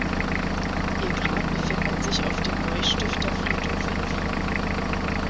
Ihr Grab befindet sich auf dem Neustifter Friedhof in Wien.